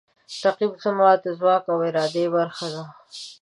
رقیب زما د ځواک او ارادې برخه ده